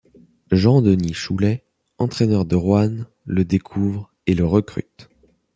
Jean-Denys Choulet, entraîneur de Roanne, le découvre et le recrute.